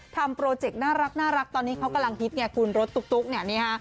โปรเจกต์น่ารักตอนนี้เขากำลังฮิตไงคุณรถตุ๊กเนี่ยนี่ฮะ